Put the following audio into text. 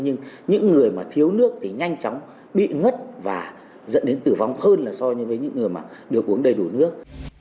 nhưng những người mà thiếu nước thì nhanh chóng bị ngất và dẫn đến tử vong hơn là so với những người mà được uống đầy đủ nước